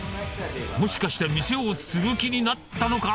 もしかして店を継ぐ気になったのか？